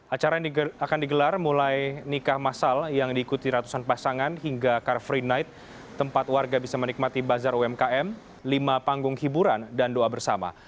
acara yang akan digelar mulai nikah masal yang diikuti ratusan pasangan hingga car free night tempat warga bisa menikmati bazar umkm lima panggung hiburan dan doa bersama